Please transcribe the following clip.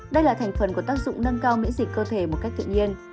đây là thành phần của tác dụng nâng cao miễn dịch cơ thể một cách tự nhiên